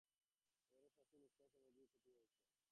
এঁরাই শাস্ত্রে নিষ্কাম কর্মযোগী বলে কথিত হয়েছেন।